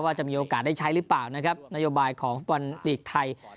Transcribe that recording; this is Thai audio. จะมีโอกาสได้ใช้หรือเปล่านะครับนโยบายของฟุตบอลลีกไทย